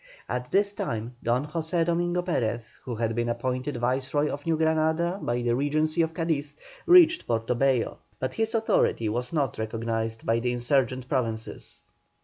At this time Don José Domingo Perez, who had been appointed Viceroy of New Granada by the Regency of Cadiz, reached Portobello, but his authority was not recognised by the insurgent provinces.